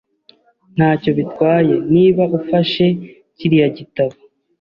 Ntacyo bitwaye niba ufashe kiriya gitabo.